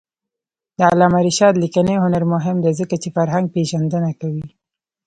د علامه رشاد لیکنی هنر مهم دی ځکه چې فرهنګپېژندنه کوي.